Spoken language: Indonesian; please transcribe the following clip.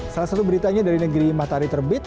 salah satu beritanya dari negeri matahari terbit